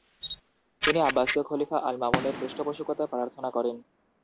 তিনি আব্বাসীয় খলিফা আল-মামুনের পৃষ্ঠপোষকতা প্রার্থনা করেন।